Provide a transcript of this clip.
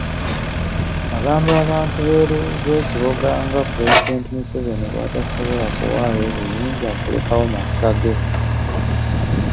Agamba abantu b'e Kiboga nga Pulezidenti Museveni bw'atasobola kuwaayo buyinza kulekawo mafuta ge.